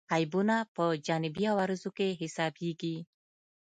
عیبونه په جانبي عوارضو کې حسابېږي.